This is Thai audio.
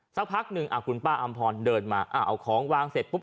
สักพักหนึ่งคุณป้าอำพรเดินมาเอาของวางเสร็จปุ๊บ